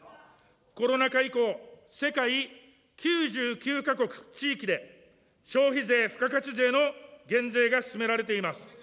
コロナ禍以降、世界９９か国・地域で、消費税付加価値税の減税が進められています。